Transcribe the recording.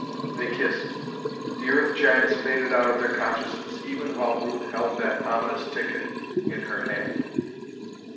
They kissed. The Earth Giants faded out of their consciousness even while Ruth held that ominous ticket in her hand.